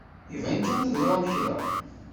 Iban kan teẓram kra.